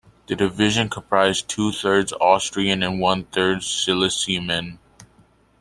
The division comprised two-thirds Austrian and one-third Silesian men.